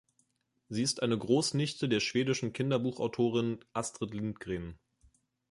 Sie ist eine Großnichte der schwedischen Kinderbuchautorin Astrid Lindgren.